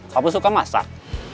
kamu suka masak